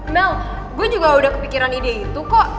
mel gue juga udah kepikiran ide itu kok